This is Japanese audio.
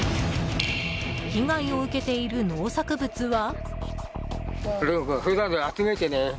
被害を受けている農作物は。